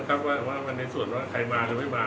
อ๋อไม่เราไม่ได้พูดเลยนะครับว่าในส่วนว่าใครมาหรือไม่มา